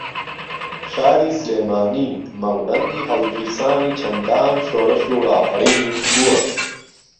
شاری سلێمانی مەڵبەندی ھەڵگیرسانی چەندان شۆڕش و ڕاپەڕینیش بووە